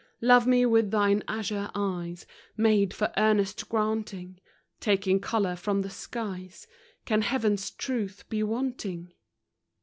Love me with thine azure eyes, Made for earnest granting;! Taking color from the skies, Can Heaven's truth be wanting?